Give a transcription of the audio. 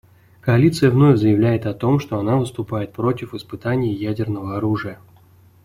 Коалиция вновь заявляет о том, что она выступает против испытаний ядерного оружия.